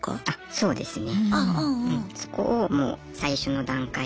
そうですね。